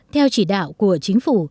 theo chỉ đạo của chính phủ